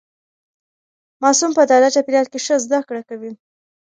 ماسوم په ډاډه چاپیریال کې ښه زده کړه کوي.